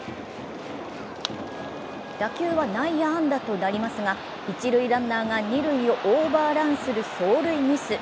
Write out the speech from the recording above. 打球は内野安打となりますが、一塁ランナーが二塁をオーバーランする走塁ミス。